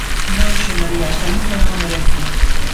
Non, señorías, ¡Galicia non o merece!